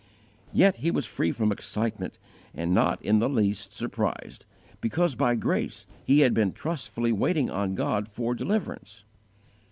Yet he was free from excitement and not in the least surprised, because by grace he had been trustfully waiting on God for deliverance.